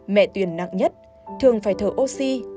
mẹ tuyên nặng nhất thường phải thở oxy